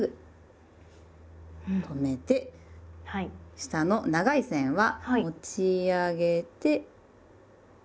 下の長い線は持ち上げて下がります。